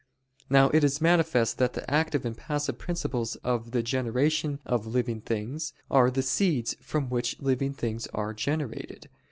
Now it is manifest that the active and passive principles of the generation of living things are the seeds from which living things are generated.